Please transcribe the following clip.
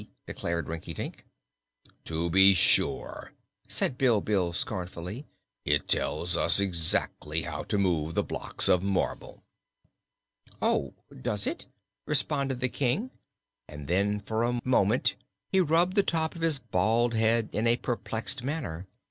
declared Rinkitink. "To be sure," said Bilbil scornfully, "it tells us exactly how to move the blocks of marble." "Oh, does it?" responded the King, and then for a moment he rubbed the top of his bald head in a perplexed manner.